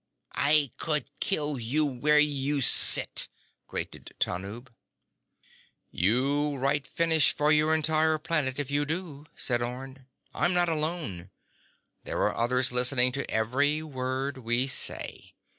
_ "I could kill you where you sit!" grated Tanub. "You write finish for your entire planet if you do," said Orne. "I'm not alone. There are others listening to every word we say.